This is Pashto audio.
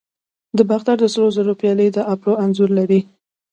د باختر د سرو زرو پیالې د اپولو انځور لري